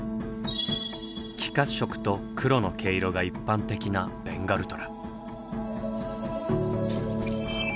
黄褐色と黒の毛色が一般的なベンガルトラ。